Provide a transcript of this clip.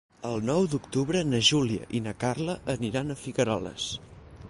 El nou d'octubre na Júlia i na Carla aniran a Figueroles.